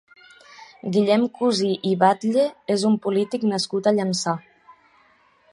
Guillem Cusí i Batlle és un polític nascut a Llançà.